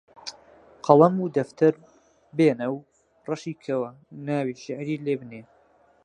قەڵەم و دەفتەر بێنە و ڕەشی کەوە ناوی شیعری لێ بنێ